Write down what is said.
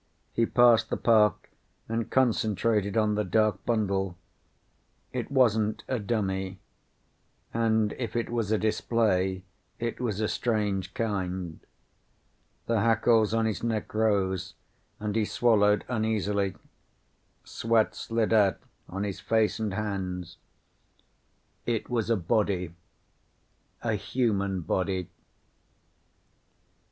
He passed the park and concentrated on the dark bundle. It wasn't a dummy. And if it was a display it was a strange kind. The hackles on his neck rose and he swallowed uneasily. Sweat slid out on his face and hands. It was a body. A human body.